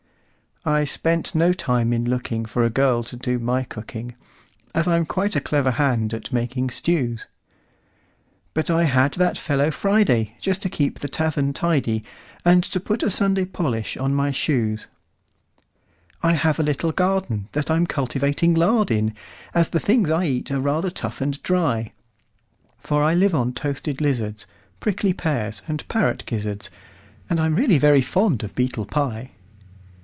I spent no time in lookingFor a girl to do my cooking, As I'm quite a clever hand at making stews; But I had that fellow Friday, Just to keep the tavern tidy, And to put a Sunday polish on my shoes.I have a little gardenThat I'm cultivating lard in, As the things I eat are rather tough and dry; For I live on toasted lizards, Prickly pears, and parrot gizzards, And I'm really very fond of beetle pie.